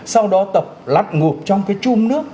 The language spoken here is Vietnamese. sau đó tập lặn ngụp trong cái chum nước